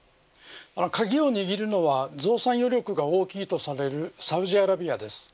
鍵を握るのは増産余力が大きいとされるサウジアラビアです。